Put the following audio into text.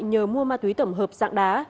nhờ mua ma túy tổng hợp dạng đá